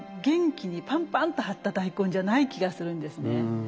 元気にパンパンと張った大根じゃない気がするんですね。